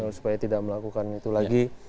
supaya tidak melakukan itu lagi